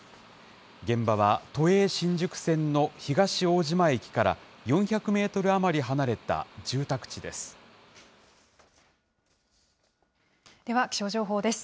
現場は都営新宿線の東大島駅から４００メートル余り離れた住宅地では、気象情報です。